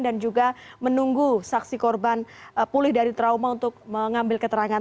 dan juga menunggu saksi korban pulih dari trauma untuk mengambil keterangan